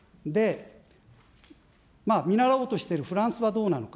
見習おうとしているフランスはどうなのか。